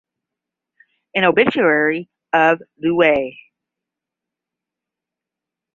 An obituary of Lieut.